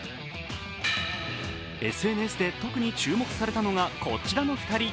ＳＮＳで特に注目されたのが、こちらの２人。